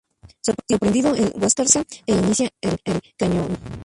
Sorprendido el Huáscar se aleja e inicia el cañoneo.